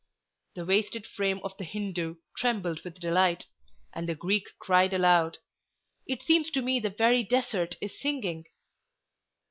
The wasted frame of the Hindoo trembled with delight, and the Greek cried aloud, "It seems to me the very desert is singing."